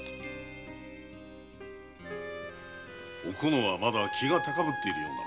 おこのはまだ気が高ぶっているゆえ